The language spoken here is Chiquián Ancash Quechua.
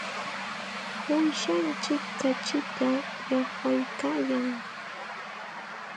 Uushanchik kachita llaqwaykaayan.